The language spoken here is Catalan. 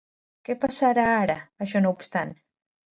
Què passarà ara, això no obstant?